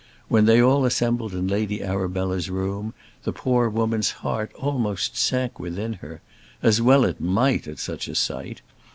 When they all assembled in Lady Arabella's room, the poor woman's heart almost sank within her, as well it might, at such a sight.